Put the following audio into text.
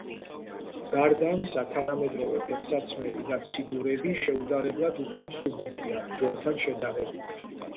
გარდა ამისა თანამედროვე ფეხსაცმელი და ციგურები შეუდარებლად უფრო მსუბუქია, ძველთან შედარებით.